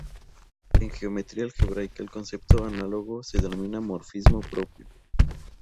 En geometría algebraica, el concepto análogo se denomina morfismo propio.